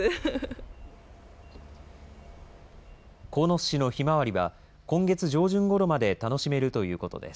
鴻巣市のひまわりは、今月上旬ごろまで楽しめるということです。